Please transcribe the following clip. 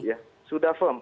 ya sudah firm